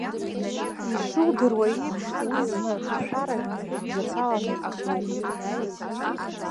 Ишудыруа еиԥш, уи зны ҭшәарак ибжьацаланы иктәуп.